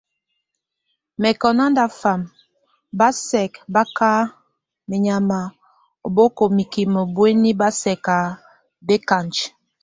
Mɛkɔ nándafam bá sɛk bá ka menyam oboko mikim bueni ba sɛk bekanj.